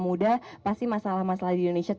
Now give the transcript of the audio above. muda pasti masalah masalah di indonesia